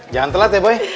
jangan telat ya boy